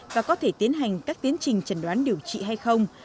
và có thể tiến hành các tiến trình trần đoán điều trị hay không